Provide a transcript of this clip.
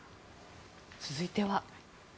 続いては。